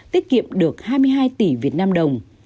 tiết kiệm được hai mươi hai tỷ việt nam đồng